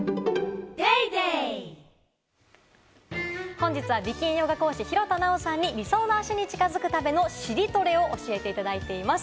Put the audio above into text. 本日は美筋ヨガ講師・廣田なおさんに理想の脚に近づくための尻トレを教えていただいています。